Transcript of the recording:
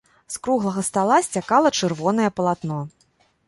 З круглага стала сцякала чырвонае палатно.